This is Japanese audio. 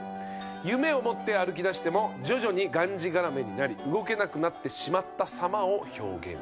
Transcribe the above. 夢を持って歩きだしても徐々にがんじがらめになり動けなくなってしまった様を表現していると。